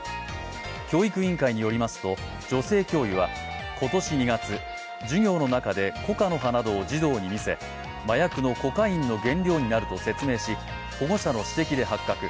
教育委員会によりますと女性教諭は今年２月、授業の中でコカの葉などを児童に見せ麻薬のコカインの原料になると説明し、保護者の指摘で発覚。